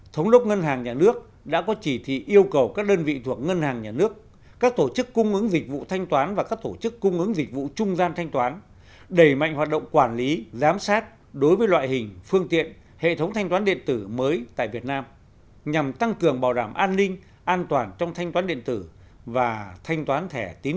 thống đốc ngân hàng nhà nước đã có chỉ thị yêu cầu các đơn vị thuộc ngân hàng nhà nước các tổ chức cung ứng dịch vụ thanh toán và các tổ chức cung ứng dịch vụ trung gian thanh toán đẩy mạnh hoạt động quản lý giám sát đối với loại hình phương tiện hệ thống thanh toán điện tử mới tại việt nam nhằm tăng cường bảo đảm an ninh an toàn trong thanh toán điện tử và thanh toán thẻ tín dụng